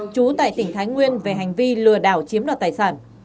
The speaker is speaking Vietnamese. trú tại tỉnh thái nguyên về hành vi lừa đảo chiếm đoạt tài sản